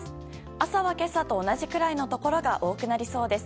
朝は今朝と同じくらいのところが多くなりそうです。